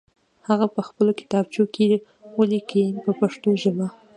هغه په خپلو کتابچو کې ولیکئ په پښتو ژبه.